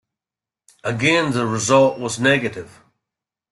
Again, the result was negative.